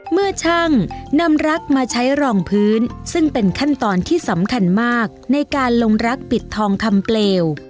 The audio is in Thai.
เมื่อช่างนำรักมาใช้รองพื้นซึ่งเป็นขั้นตอนที่สำคัญมากในการลงรักปิดทองคำเปลว